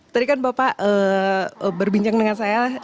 tadi kan bapak berbincang dengan saya